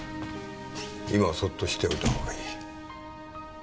今はそっとしておいた方がいい。